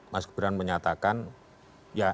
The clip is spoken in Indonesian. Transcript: mas gibran menyatakan ya